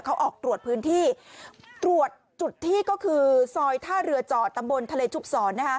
เขาออกตรวจพื้นที่ตรวจจุดที่ก็คือซอยท่าเรือจอดตำบลทะเลชุบศร